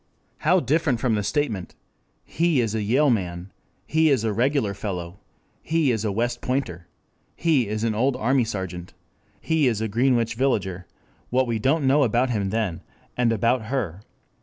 How different from the statement: he is a Yale Man. He is a regular fellow. He is a West Pointer. He is an old army sergeant. He is a Greenwich Villager: what don't we know about him then, and about her?